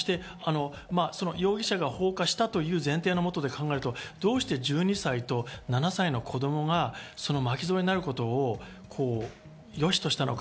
そして容疑者が放火したという前提のもとで考えるとどうして１２歳と７歳の子供が巻き添えになることをよしとしたのか。